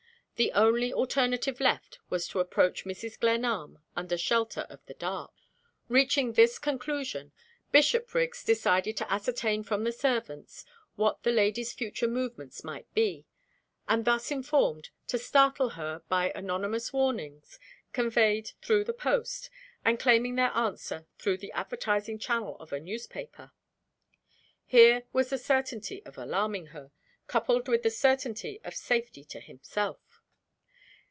The only alternative left was to approach Mrs. Glenarm under shelter of the dark. Reaching this conclusion, Bishopriggs decided to ascertain from the servants what the lady's future movements might be; and, thus informed, to startle her by anonymous warnings, conveyed through the post, and claiming their answer through the advertising channel of a newspaper. Here was the certainty of alarming her, coupled with the certainty of safety to himself!